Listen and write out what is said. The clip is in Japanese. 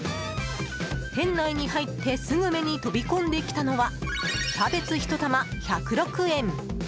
店内に入ってすぐ目に飛び込んできたのはキャベツ１玉、１０６円。